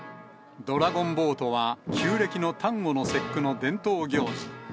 ドラゴンボートは旧暦の端午の節句の伝統行事。